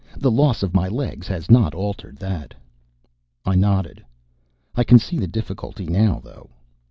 The loss of my legs has not altered that." I nodded. "I can see the difficulty now, though."